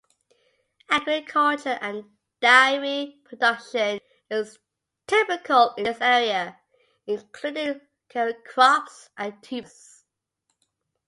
Agriculture and dairy production is typical in this area, including ceral crops and tubers.